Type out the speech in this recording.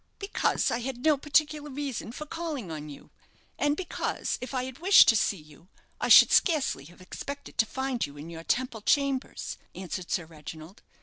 "Because I had no particular reason for calling on you; and because, if I had wished to see you, I should scarcely have expected to find you in your Temple chambers," answered Sir Reginald.